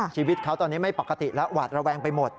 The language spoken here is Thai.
ชีวิตเขาตอนนี้ไม่ปกติแล้วหวาดระแวงไปหมด